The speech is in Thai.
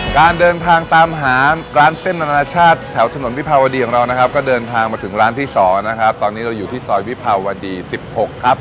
การเดินทางตามหาร้านเส้นอนาชาติแถวถนนวิภาวดีของเรานะครับก็เดินทางมาถึงร้านที่๒นะครับตอนนี้เราอยู่ที่ซอยวิภาวดี๑๖ครับ